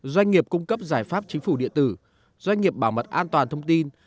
doanh nghiệp cung cấp giải pháp chính phủ điện tử doanh nghiệp bảo mật an toàn thông tin